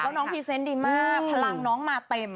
แล้วน้องพรีเซนต์ดีมากพลังน้องมาเต็ม